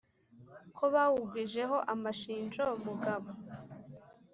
Ko bawugwijeho amashinjo mugabo